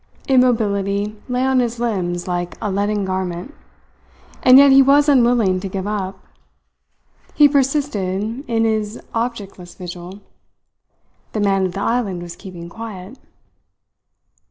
Immobility lay on his limbs like a leaden garment. And yet he was unwilling to give up. He persisted in his objectless vigil. The man of the island was keeping quiet.